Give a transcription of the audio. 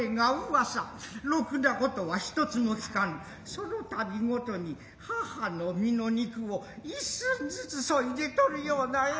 その度ごとに母の身の肉を一寸ずつ削いで取るようなエエ